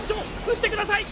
撃ってください！